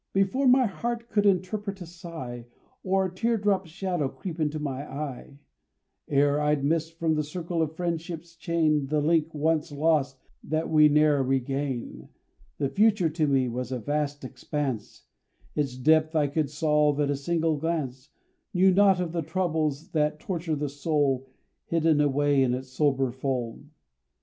Before my heart could interpret a sigh, Or a tear drop's shadow creep into my eye, Ere I'd missed from the circle of friendship's chain The link once lost that we ne'er regain, The future to me was a vast expanse, Its depth I could solve at a single glance, Knew not of the troubles that torture the soul Hidden away in its sober fold.